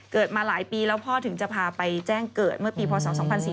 มาหลายปีแล้วพ่อถึงจะพาไปแจ้งเกิดเมื่อปีพศ๒๔๔